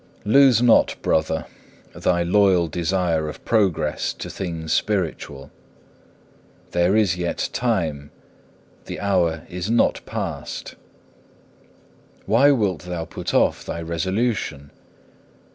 5. Lose not, brother, thy loyal desire of progress to things spiritual. There is yet time, the hour is not past. Why wilt thou put off thy resolution?